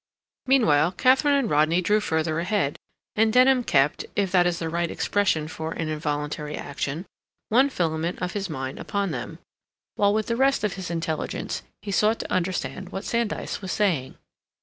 Meanwhile Katharine and Rodney drew further ahead, and Denham kept, if that is the right expression for an involuntary action, one filament of his mind upon them, while with the rest of his intelligence he sought to understand what Sandys was saying.